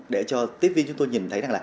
để cho tiếp viên chúng tôi nhìn thấy